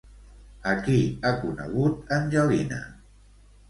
A qui ha conegut Angelina?